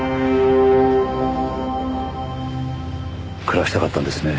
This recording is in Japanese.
暮らしたかったんですね